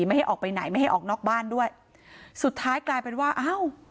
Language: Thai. ไม่ให้ออกไปไหนไม่ให้ออกนอกบ้านด้วยสุดท้ายกลายเป็นว่าอ้าว